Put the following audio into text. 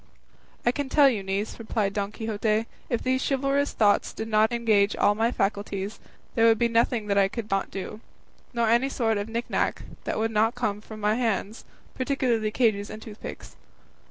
"I can tell you, niece," replied Don Quixote, "if these chivalrous thoughts did not engage all my faculties, there would be nothing that I could not do, nor any sort of knickknack that would not come from my hands, particularly cages and tooth picks."